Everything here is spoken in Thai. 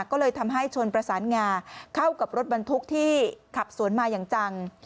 ก็เลยทำให้ชนประสานงาเข้ากับรถบรรทุกที่ขับสวนมาอย่างจัง